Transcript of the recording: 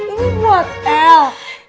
ini buat el